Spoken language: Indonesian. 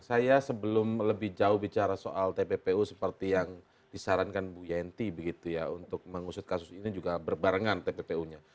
saya sebelum lebih jauh bicara soal tppu seperti yang disarankan bu yanti begitu ya untuk mengusut kasus ini juga berbarengan tppu nya